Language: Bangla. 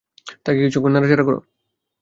তাকে কিছুক্ষন নাড়াচাড়া করো।